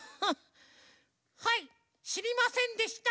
はいしりませんでした。